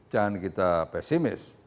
jangan kita pesimis